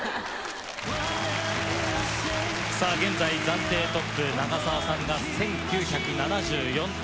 現在暫定トップ長澤さんが１９７４点。